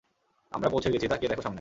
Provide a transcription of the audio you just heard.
আমরা পৌঁছে গেছি, তাকিয়ে দেখো সামনে!